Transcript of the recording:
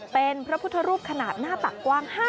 เป็นพระพุทธรูปขนาดหน้าตักกว้าง